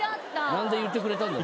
何で言ってくれたんだろう？